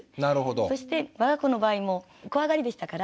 そして我が子の場合も怖がりでしたから。